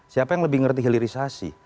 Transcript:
siapa yang lebih ngerti hilirisasi